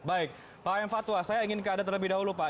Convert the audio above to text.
baik pak aem fatwa saya ingin keadaan terlebih dahulu pak